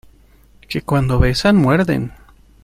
que cuando besan muerden.